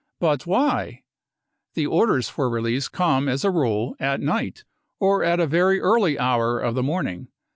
But why ? The orders for release come as a rule at night or at a very early hour of the morning.